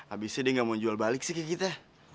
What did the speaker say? abis itu dia nggak mau jual balik sih kayak kita